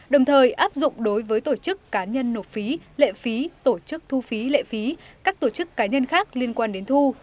đồng thời áp dụng đối với tổ chức cá nhân nộp phí lệ phí tổ chức thu phí lệ phí các tổ chức cá nhân khác liên quan đến thu